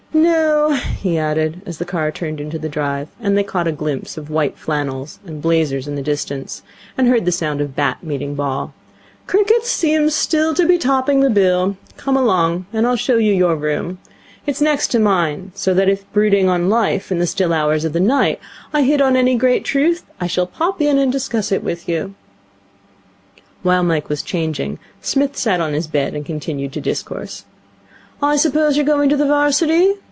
No,' he added, as the car turned into the drive, and they caught a glimpse of white flannels and blazers in the distance, and heard the sound of bat meeting ball, 'cricket seems still to be topping the bill. Come along, and I'll show you your room. It's next to mine, so that, if brooding on Life in the still hours of the night, I hit on any great truth, I shall pop in and discuss it with you.' While Mike was changing, Psmith sat on his bed, and continued to discourse. 'I suppose you're going to the 'Varsity?'